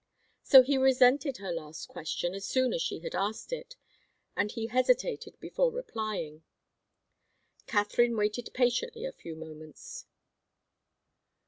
So he resented her last question as soon as she had asked it, and he hesitated before replying. Katharine waited patiently a few moments.